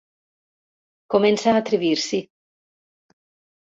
Comença a atrevir-s'hi.